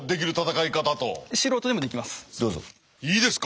いいですか？